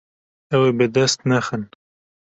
Ew ê bi dest nexin.